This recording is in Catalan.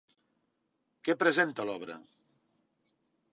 Què presenta l'obra?